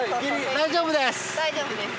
大丈夫です。